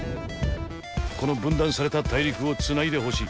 この分断された大陸を繋いでほしい。